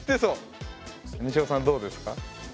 にしおさんどうですか？